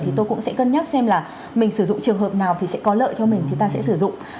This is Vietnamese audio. thì tôi cũng sẽ cân nhắc xem là mình sử dụng trường hợp nào thì sẽ có lợi cho mình thì ta sẽ sử dụng